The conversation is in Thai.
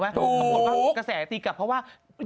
ความภูมิณกระแสกระตุ้ยกลับเพราะว่า